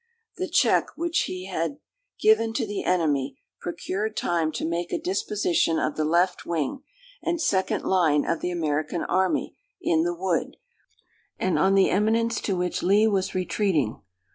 The check which he had given to the enemy procured time to make a disposition of the left wing, and second line of the American army, in the wood, and on the eminence to which Lee was retreating.